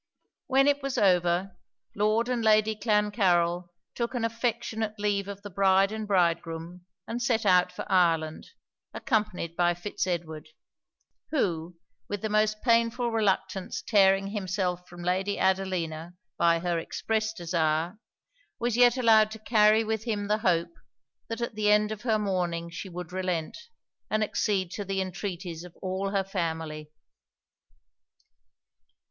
When it was over, Lord and Lady Clancarryl took an affectionate leave of the bride and bridegroom, and set out for Ireland, accompanied by Fitz Edward; who, with the most painful reluctance tearing himself from Lady Adelina by her express desire, was yet allowed to carry with him the hope, that at the end of her mourning she would relent, and accede to the entreaties of all her family.